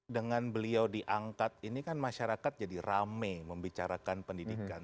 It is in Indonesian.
dengan beliau diangkat ini kan masyarakat jadi rame membicarakan pendidikan